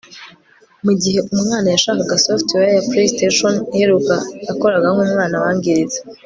Mugihe umwana yashakaga software ya PlayStation iheruka yakoraga nkumwana wangiritse